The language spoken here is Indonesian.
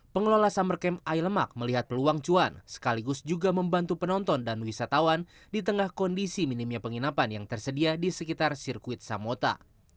pengelola summer camp air lemak melihat peluang cuan sekaligus juga membantu penonton dan wisatawan di tengah kondisi minimnya penginapan yang tersedia di sekitar sirkuit samota